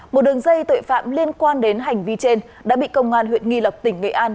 một đường dây tội phạm liên quan đến hành vi trên đã bị công an huyện nghi lộc tỉnh nghệ an